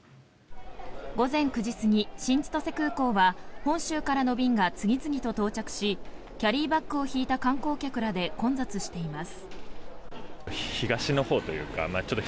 午前９時過ぎ新千歳空港は本州からの便が次々と到着しキャリーバッグを引いた観光客らで混雑しています。